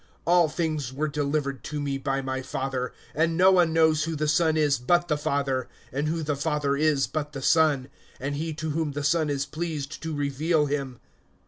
(22)All things were delivered to me by my Father; and no one knows who the Son is but the Father, and who the Father is but the Son, and he to whom the Son is pleased to reveal him.